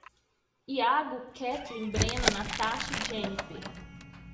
Hiago, Ketlin, Brena, Natasha e Jeniffer